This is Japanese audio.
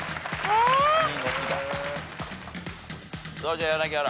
じゃあ柳原。